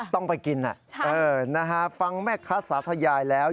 ต้องไปกินฟังแม่ค้าสาธยายแล้ว